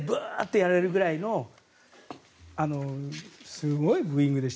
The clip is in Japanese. やられるぐらいのすごいブーイングでした。